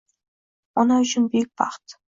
Ona uchun buyuk baxt